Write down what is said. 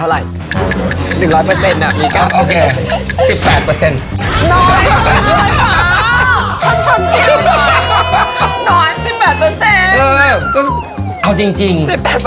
เอาจริง